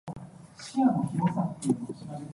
今晚得閒飲杯嘢嘛？